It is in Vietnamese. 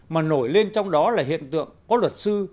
mà nổi lên trong đó là hiện tượng có luật sư